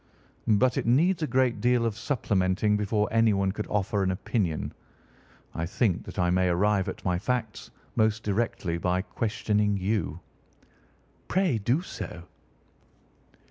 "But it needs a great deal of supplementing before anyone could offer an opinion. I think that I may arrive at my facts most directly by questioning you." "Pray do so."